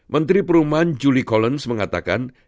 menteri perumahan julie collens mengatakan